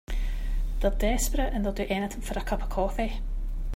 They're desperate and will do anything for a cup of coffee.